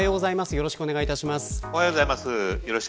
よろしくお願いします。